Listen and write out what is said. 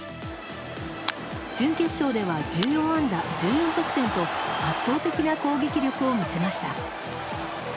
準決勝では１４安打１４得点と圧倒的な攻撃力を見せました。